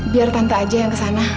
biar tante aja yang kesana